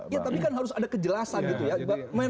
ya tapi kan harus ada kejelasan gitu ya